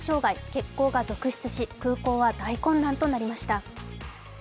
欠航が続出し、空港は大混乱となりました。